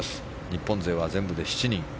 日本勢は全部で７人。